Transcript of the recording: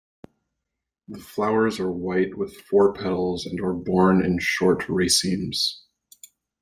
The flowers are white with four petals and are borne in short racemes.